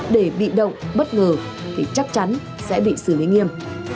để bị động bất ngờ thì chắc chắn sẽ bị xử lý nghiêm